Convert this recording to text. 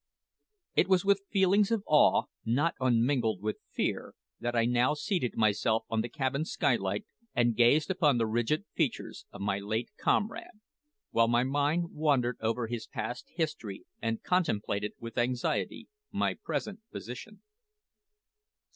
It was with feelings of awe, not unmingled with fear, that I now seated myself on the cabin skylight and gazed upon the rigid features of my late comrade, while my mind wandered over his past history and contemplated with anxiety my present position.